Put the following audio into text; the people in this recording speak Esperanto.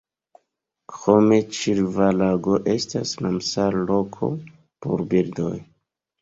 Krome Ĉilva-Lago estas Ramsar-loko por birdoj.